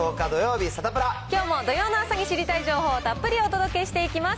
きょうも土曜の朝に知りたい情報をたっぷりお届けしていきます。